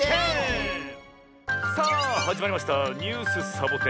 １０！さあはじまりました「ニュースサボ１０」。